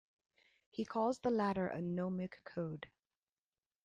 He calls the latter a 'gnomic code'.